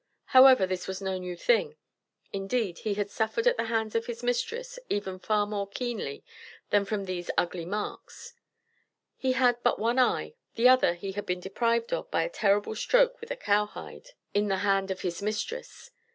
However, this was no new thing. Indeed he had suffered at the hands of his mistress even far more keenly than from these "ugly marks." He had but one eye; the other he had been deprived of by a terrible stroke with a cowhide in the "hand of his mistress."